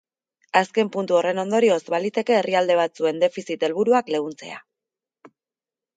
Azken puntu horren ondorioz, baliteke herrialde batzuen defizit helburuak leuntzea.